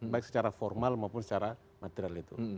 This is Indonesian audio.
baik secara formal maupun secara material itu